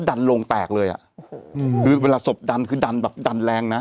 ดันโรงแตกเลยอ่ะเวลาศพดันคือดันแรงนะ